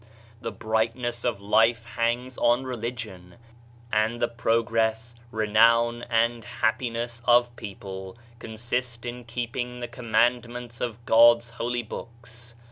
The brightness of life hangs on Religion; and the progress, renown and happiness of people consist in keeping the commandments of God's holy Books.